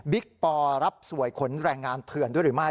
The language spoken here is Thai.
บิ๊กป์ระบสวยขนแรงงาทื่นด้วยหรือไม่